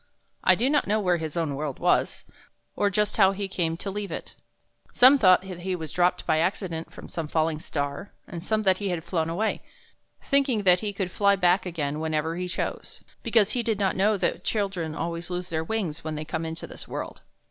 I do not know where his own world was, or just how he came to leave it. Some thought that he was dropped by accident from some falling star, and some that he had flown away, thinking that he could fly 23 THE BOY WHO DISCOVERED THE SPRING back again whenever he chose, because he did not know that children always lose their wings when they, come into this world.